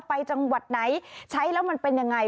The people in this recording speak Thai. จังหวัดไหนใช้แล้วมันเป็นยังไง